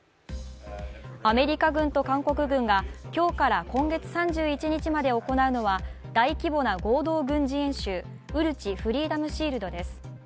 アメリカ軍と韓国軍が今日から今月３１日まで行うのは、大規模な合同軍事演習・ウルチフリーダムシールドです。